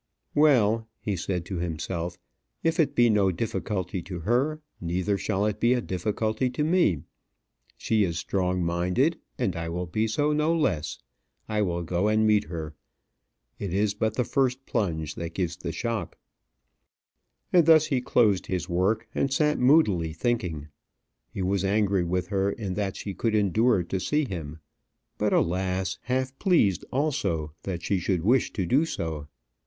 "Well," he said to himself, "if it be no difficulty to her, neither shall it be a difficulty to me. She is strong minded, and I will be so no less. I will go and meet her. It is but the first plunge that gives the shock." And thus he closed his work, and sat moodily thinking. He was angry with her in that she could endure to see him; but, alas! half pleased also that she should wish to do so.